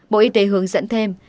bộ y tế hướng dẫn thêm